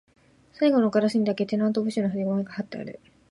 最後のガラスにだけ、テナント募集の張り紙が張ってある